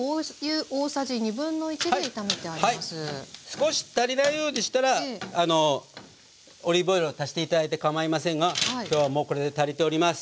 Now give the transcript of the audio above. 少し足りないようでしたらオリーブオイルを足して頂いてかまいませんが今日はもうこれで足りております。